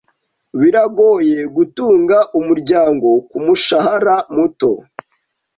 Biragoye gutunga umuryango kumushahara muto .